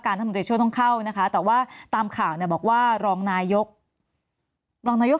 รัฐมนตรีช่วยต้องเข้านะคะแต่ว่าตามข่าวเนี่ยบอกว่ารองนายกรองนายก